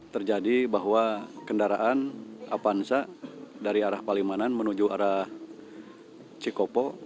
terjadi bahwa kendaraan apansa dari arah palimanan menuju arah cikopo